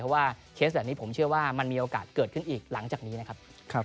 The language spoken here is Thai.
เพราะว่าเคสแบบนี้ผมเชื่อว่ามันมีโอกาสเกิดขึ้นอีกหลังจากนี้นะครับ